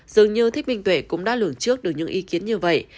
dường như thích minh tuệ cũng đã lường trước được những ý kiến như vậy